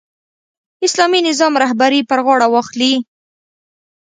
اسلامي نظام رهبري پر غاړه واخلي.